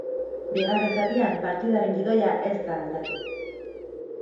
Bigarren zatian, partidaren gidoia ez da aldatu.